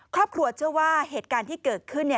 ครอบครัวเชื่อว่าเหตุการณ์ที่เกิดขึ้น